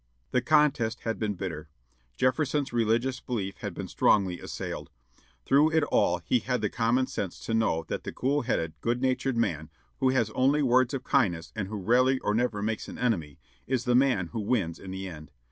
The contest had been bitter. Jefferson's religious belief had been strongly assailed. Through it all he had the common sense to know that the cool headed, good natured man, who has only words of kindness, and who rarely or never makes an enemy, is the man who wins in the end.